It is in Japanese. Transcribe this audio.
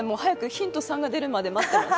ヒント３が出るまで待ってます。